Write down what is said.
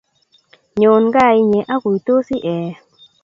Nyon kaa inye akuitosi ee.